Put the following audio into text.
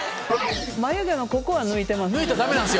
眉毛のここは抜いてます。